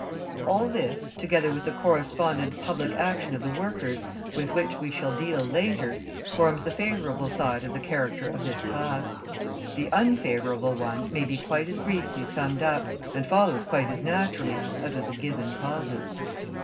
All this, together with the correspondent public action of the workers, with which we shall deal later, forms the favourable side of the character of this class; the unfavourable one may be quite as briefly summed up, and follows quite as naturally out of the given causes.